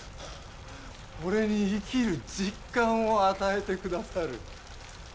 俺に生きる実感を与えてくださる。